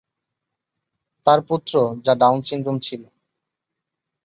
তার পুত্র, যা ডাউন সিনড্রোম ছিল।